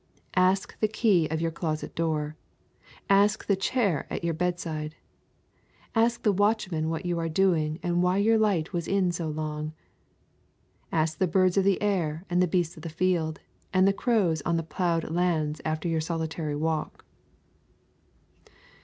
Ask the key of your closet door. Ask the chair at your bedside. Ask the watchman what you were doing and why your light was in so long. Ask the birds of the air and the beasts of the field and the crows on the ploughed lands after your solitary walk.